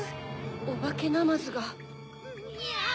オバケナマズが。